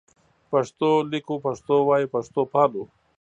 پښتو لیکو پښتو وایو پښتو پالو